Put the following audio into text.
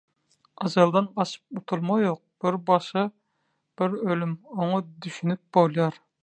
Ajaldan gaçyp gutulmak ýok, bir başa bir ölüm – oňa düşünip bolýar